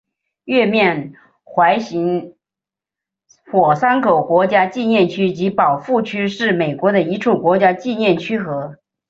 月面环形火山口国家纪念区及保护区是美国的一处国家纪念区和。